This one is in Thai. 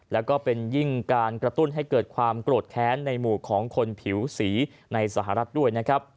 แล้วก็เป็นยิ่งการกระตุ้นให้เกิดความโกรธแค้นในหมู่ของคนผิวสีในสหรัฐด้วยนะครับ